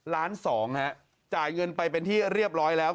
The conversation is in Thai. ล้านสองฮะจ่ายเงินไปเป็นที่เรียบร้อยแล้ว